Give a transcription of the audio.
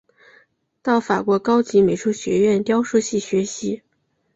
到法国高级美术学院雕塑系学习。